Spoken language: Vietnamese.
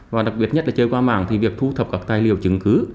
và đặc biệt nhất là chơi qua mạng thì việc thu thập các tài liệu chứng cứ